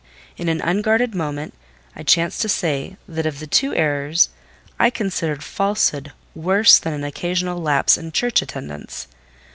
In an unguarded moment, I chanced to say that, of the two errors; I considered falsehood worse than an occasional lapse in church attendance.